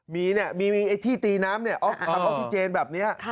มีที่ตีน้ำออกอิจเจนแบบนี้